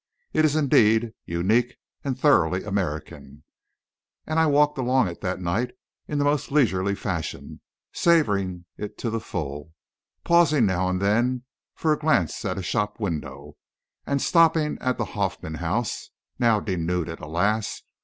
It is, indeed, unique and thoroughly American; and I walked along it that night in the most leisurely fashion, savouring it to the full; pausing, now and then, for a glance at a shop window, and stopping at the Hoffman House now denuded, alas!